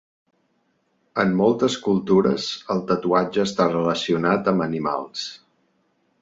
En moltes cultures el tatuatge està relacionat amb animals.